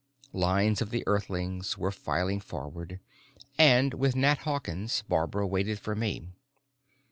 Lines of the Earthlings were filing forward, and, with Nat Hawkins, Barbara waited for me.